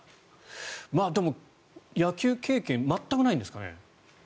でも、野球経験全くないんですかね？